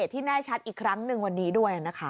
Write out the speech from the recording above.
ที่แน่ชัดอีกครั้งหนึ่งวันนี้ด้วยนะคะ